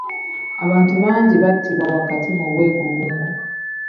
Abantu bangi battibwa wakati mu bwegugungo.